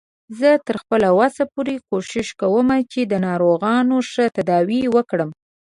زه تر خپل وس پورې کوښښ کوم چې د ناروغانو ښه تداوی وکړم